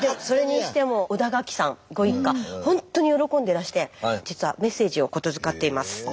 それにしても小田垣さんご一家ほんとに喜んでらして実はメッセージを言づかっています。